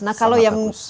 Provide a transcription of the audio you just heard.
nah kalau yang